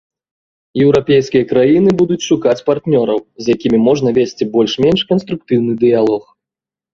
Еўрапейскія краіны будуць шукаць партнёраў, з якімі можна весці больш-менш канструктыўны дыялог.